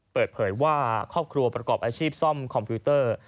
เปิดเผยว่าครอบครัวประกอบอาชีพซ่อมคอมพิวเตอร์